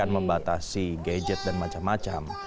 membatasi gadget dan macam macam